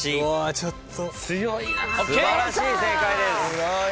素晴らしい正解です。